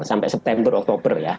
sampai september oktober ya